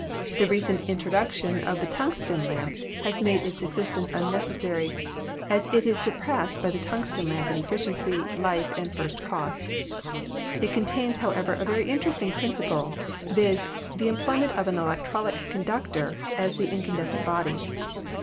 The recent introduction of the tung sten lamp has made its existence unnecessary, as it is sur passed by the tungsten lamp in efficiency, life and first cost. It contains, however, a very interesting principle, viz., the employment of an electrolytic conductor as the incandescent body.